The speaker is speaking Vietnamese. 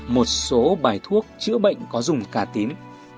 một số bài thuốc chữa bệnh có dùng cà tím